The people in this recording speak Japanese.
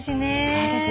そうですね